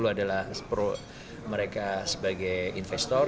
tujuh puluh adalah mereka sebagai investor